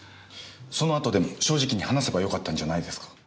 そのあとでも正直に話せばよかったんじゃないですか？